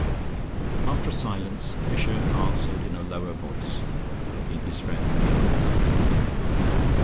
After a silence Fisher answered in a lower voice, looking his friend in the eyes.